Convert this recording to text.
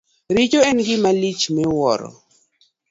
Richo en gima lich miwuoro.